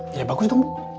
ya bagus dong